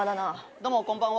どうもこんばんは。